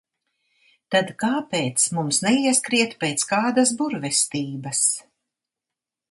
Tad kāpēc mums neieskriet pēc kādas burvestības?